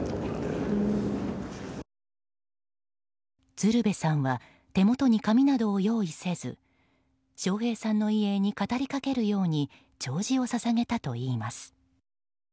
鶴瓶さんは手元に紙などを用意せず笑瓶さんの遺影に語りかけるように弔辞をささげたといいます。